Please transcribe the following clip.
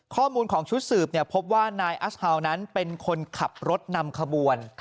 ข้อมูลของชุดสืบพบว่านายอัสฮาวนั้นเป็นคนขับรถนำขบวน